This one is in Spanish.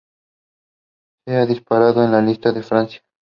Se ha disparado en las listas en Francia.